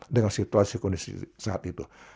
dengan situasi kondisi saat itu